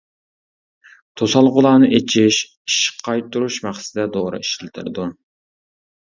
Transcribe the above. توسالغۇلارنى ئېچىش، ئىششىق قايتۇرۇش مەقسىتىدە دورا ئىشلىتىلىدۇ.